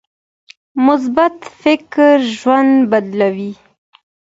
مثبت فکر ژوند بدلوي.